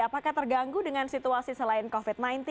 apakah terganggu dengan situasi selain covid sembilan belas